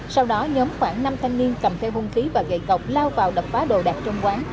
sau đó nhóm khoảng năm thanh niên cầm theo hung khí và gậy cọc lao vào đập phá đồ đạc trong quán